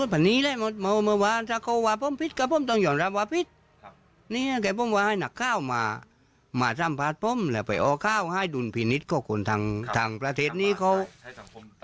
พ่อรับว่าพิษเนี่ยแค่ผมว่าให้หนักข้าวมามาสัมภาษณ์ผมแล้วไปอ้อข้าวให้ดุลพินิษฐ์ก็ควรทางประเทศนี้เขา